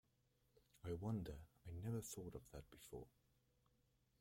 I wonder I never thought of that before.